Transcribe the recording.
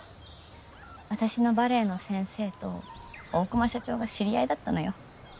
私のバレエの先生と大熊社長が知り合いだったのよ。